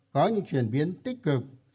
có những chuyển biến tích cực